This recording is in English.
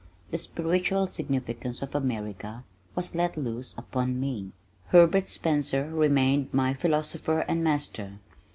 The spiritual significance of America was let loose upon me. Herbert Spencer remained my philosopher and master.